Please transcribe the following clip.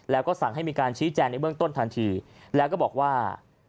แล้วก็สั่งให้มีการชี้แจงในเบื้องต้นทันทีแล้วก็บอกว่า